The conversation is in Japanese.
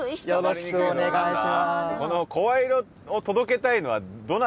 よろしくお願いします。